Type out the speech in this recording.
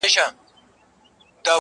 • خړسایل مي د لفظونو شاهنشا دی..